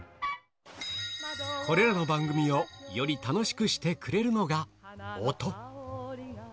これらの番組をより楽しくしてくれるのが音。